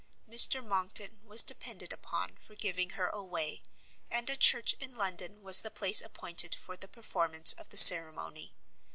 Mr Monckton was depended upon for giving her away, and a church in London was the place appointed for the performance of the ceremony.